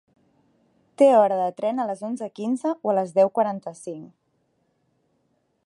Té hora de tren a les onze quinze o a les deu quaranta-cinc.